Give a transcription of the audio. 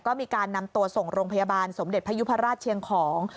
ก็มีการนำตัวส่งโรงพยาบาลสมเด็จพยุพราชเชียงของ